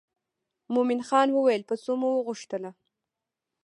مومن خان وویل په څو مو وغوښتله.